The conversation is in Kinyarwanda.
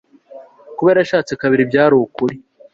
Kuba yarashatse kabiri byari ukuri